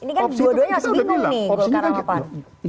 ini kan dua duanya masih bingung nih